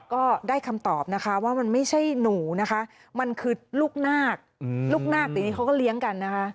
ก็ได้คำตอบนะคะว่ามันไม่ใช่หนูนะคะมันคือลูกนาคลูกนาคเดี๋ยวนี้เขาก็เลี้ยงกันนะคะ